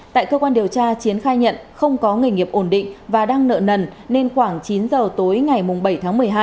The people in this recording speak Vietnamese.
tại cơ quan điều tra chiến khai nhận không có nghề nghiệp ổn định và đang nợ nần nên khoảng chín giờ tối ngày bảy tháng một mươi hai